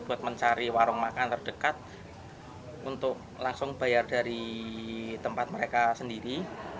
buat mencari warung makan terdekat untuk langsung bayar dari tempat mereka sendiri